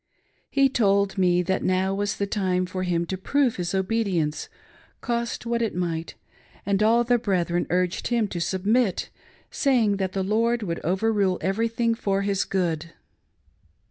He told me that now was the time for him to proive his obedience, cost what it might ; and all the brethren urged him to submit, saying that the Lord would overrule everything for his good.